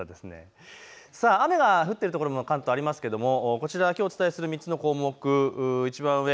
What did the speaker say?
雨が降っているところ、関東ありますけれどこちらきょうお伝えする３つの項目、いちばん上。